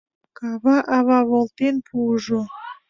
Кава ава волтен пуыжо.